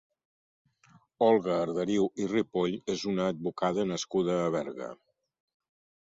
Olga Arderiu i Ripoll és una advocada nascuda a Berga.